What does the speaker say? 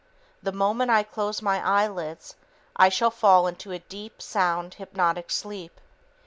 The moment I close my eyelids, I shall fall into a deep, sound, hypnotic sleep